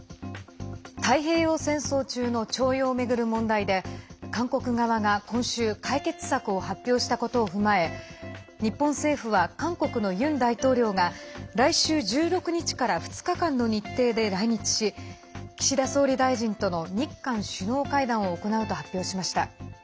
太平洋戦争中の徴用を巡る問題で韓国側が今週解決策を発表したことを踏まえ日本政府は、韓国のユン大統領が来週１６日から２日間の日程で来日し岸田総理大臣との日韓首脳会談を行うと発表しました。